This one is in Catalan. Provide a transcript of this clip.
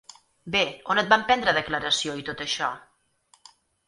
Bé, on et van prendre declaració i tot això?